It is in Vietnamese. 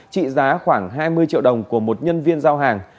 trị giá khoảng hai mươi triệu đồng của một nhân viên giao hàng